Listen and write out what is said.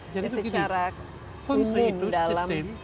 jadi itu begini